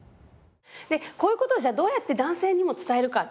でこういうことをじゃあどうやって男性にも伝えるかって。